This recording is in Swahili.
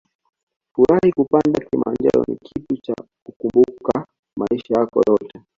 Furahi Kupanda Kilimanjaro ni kitu cha kukumbuka maisha yako yote